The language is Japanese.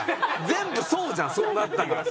全部そうじゃんそうなったら。